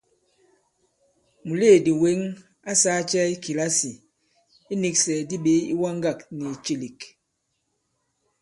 Mùleèdì wěŋ a sāā cɛ i kìlasì iniksɛ̀gɛ̀di ɓě iwaŋgâk nì ìcèlèk ?